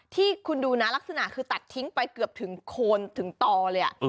ที่คุณดูนะลักษณะคือตัดทิ้งไปเกือบถึงโคนถึงต่อเลย